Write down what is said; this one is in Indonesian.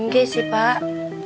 gak sih pak